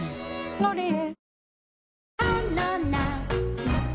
「ロリエ」